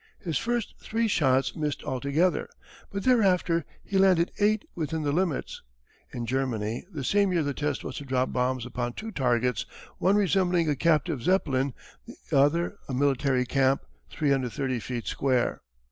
His first three shots missed altogether, but thereafter he landed eight within the limits. In Germany the same year the test was to drop bombs upon two targets, one resembling a captive Zeppelin, the other a military camp 330 feet square.